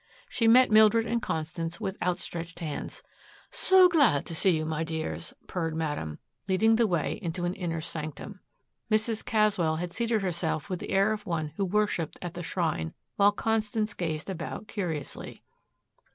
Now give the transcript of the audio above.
She met Mildred and Constance with outstretched hands. "So glad to see you, my dears," purred Madame, leading the way into an inner sanctum. Mrs. Caswell had seated herself with the air of one who worshiped at the shrine, while Constance gazed about curiously.